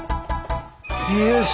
よし。